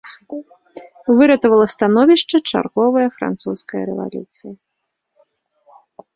Выратавала становішча чарговая французская рэвалюцыя.